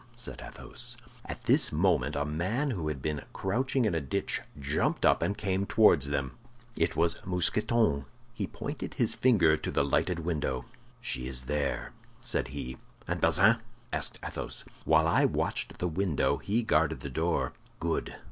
said Athos. At this moment a man who had been crouching in a ditch jumped up and came towards them. It was Mousqueton. He pointed his finger to the lighted window. "She is there," said he. "And Bazin?" asked Athos. "While I watched the window, he guarded the door." "Good!"